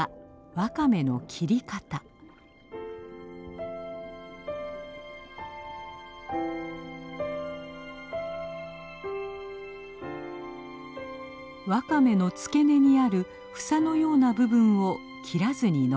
ワカメの付け根にある房のような部分を切らずに残すのです。